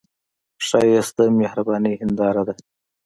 ښایست د مهرباني هنداره ده